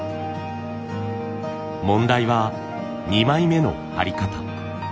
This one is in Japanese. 問題は２枚目の貼り方。